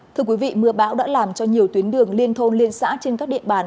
thưa quý vị mưa bão đã làm cho nhiều tuyến đường liên thôn liên xã trên các địa bàn